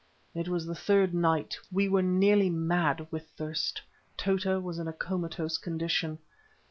It was the third night; we were nearly mad with thirst. Tota was in a comatose condition.